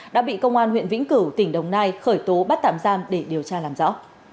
đã bị công an huyện vĩnh cửu tỉnh đồng nai khởi tố bắt tạm giam để điều tra làm rõ